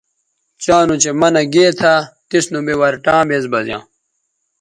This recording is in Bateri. چاں نوچہء منع گے تھا تس نوبے ورٹاں بیز بزیاں